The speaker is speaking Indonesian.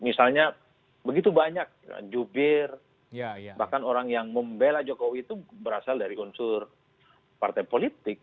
misalnya begitu banyak jubir bahkan orang yang membela jokowi itu berasal dari unsur partai politik